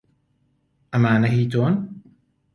ئەمانە هیی تۆن؟